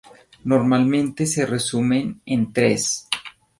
Normalmente se resumen en tres.